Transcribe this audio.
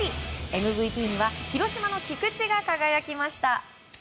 ＭＶＰには広島の菊池が輝きました。